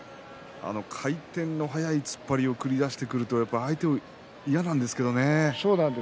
回転の速い突っ張りを繰り出してくると相手は嫌なんですけどね。